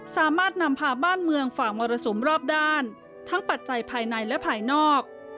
สามารถนำพาบ้านเมืองฝ่ามรสุมรอบด้านทั้งปัจจัยภายในและภายนอก